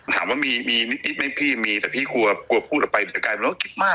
ถามว่ามีมีนิดนิดไหมพี่มีแต่พี่กลัวกลัวพูดออกไปแต่กลายเป็นว่าคิดมาก